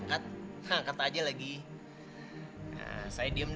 kayaknya aku tidak e gentleman